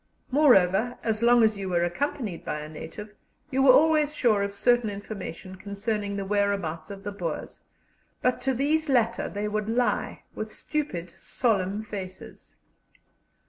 Moreover, as long as you were accompanied by a native, you were always sure of certain information concerning the whereabouts of the Boers; but to these latter they would lie with stupid, solemn faces.